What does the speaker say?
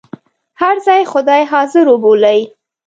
هر ځای خدای حاضر وبولئ.